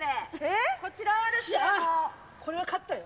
これは勝ったよ。